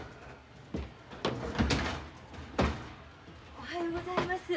おはようございます。